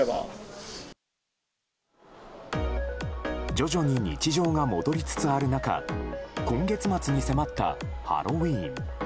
徐々に日常が戻りつつある中今月末に迫ったハロウィーン。